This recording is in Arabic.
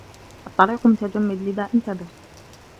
الطريق متجمد، لذا انتبه.